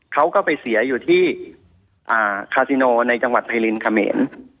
เขาก็ไปเสียอยู่ที่คาซิโนในจังหวัดไพรินเขมร